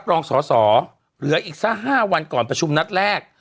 ถูก